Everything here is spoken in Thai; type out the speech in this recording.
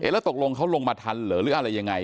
แล้วตกลงเขาลงมาทันเหรอหรืออะไรยังไง